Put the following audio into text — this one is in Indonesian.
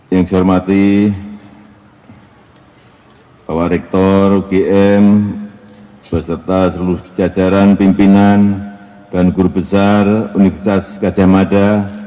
yang saya hormati bapak rektor ugm beserta seluruh jajaran pimpinan dan guru besar universitas gajah mada